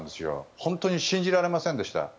本当に信じられませんでした。